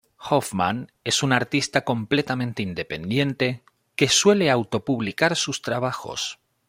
Hoffman es un artista completamente independiente, que suele auto publicar sus trabajos.